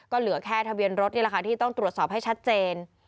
ก็เหลือแค่ทะเบียนรถนี่แหละค่ะที่ต้องตรวจสอบให้ชัดเจน